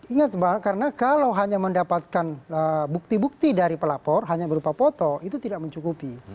ingat mbak karena kalau hanya mendapatkan bukti bukti dari pelapor hanya berupa foto itu tidak mencukupi